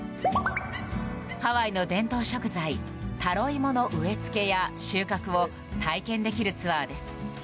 ハワイの伝統食材タロイモの植え付けや収穫を体験できるツアーです。